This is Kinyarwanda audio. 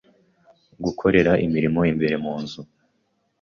gukorera imirimo imbere mu nzu,